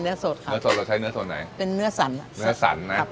สดค่ะเนื้อสดเราใช้เนื้อส่วนไหนเป็นเนื้อสันเนื้อสันนะครับ